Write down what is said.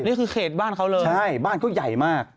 นี่คือเขตบ้านเขาเลยใช่บ้านเขาใหญ่มาก